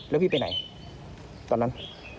แล้วพี่ไปไหนตอนนั้น